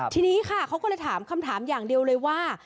ทีนี้ค่ะเขาก็เลยถามคำถามอย่างเดียวเลยว่า